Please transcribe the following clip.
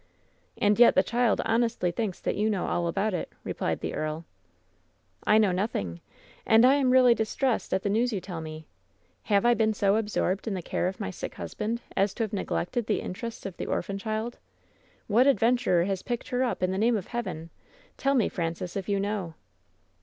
"And yet the child honestly thinks that you know all about it," replied the earl. " I know nothing. And I am really distressed at the news you tell me. Have I been so absorbed in the care of my sick husband as to have neglected the interests of the orphan child? What adventurer has picked her up, in the name of Heaven ? Tell me, Francis, if you know."